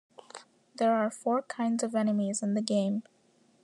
There are four kinds of enemies in the game.